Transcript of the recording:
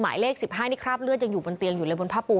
หมายเลข๑๕นี่คราบเลือดยังอยู่บนเตียงอยู่เลยบนผ้าปู